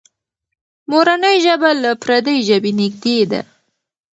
مورنۍ ژبه له پردۍ ژبې نږدې ده.